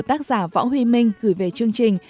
tác giả võ huy minh gửi về chương trình